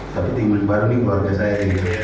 tapi tim yang baru ini keluarga saya